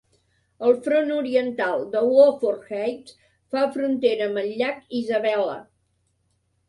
El front oriental de Wofford Heights fa frontera amb el llac Isabella.